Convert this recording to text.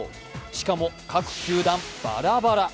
しかも各球団バラバラ。